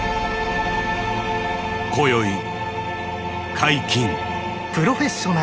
今宵解禁。